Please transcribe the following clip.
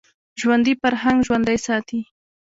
ژوندي فرهنګ ژوندی ساتي